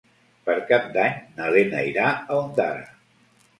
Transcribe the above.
Per Cap d'Any na Lena irà a Ondara.